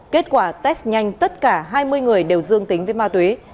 kết quả test nhanh tất cả hai mươi người đều dương tính với ma túy